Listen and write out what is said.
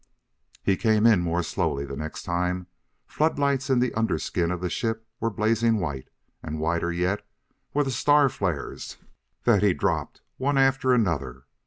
He came in more slowly the next time. Floodlights in the under skin of the ship were blazing white, and whiter yet were the star flares that he dropped one after another.